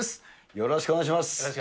よろしくお願いします。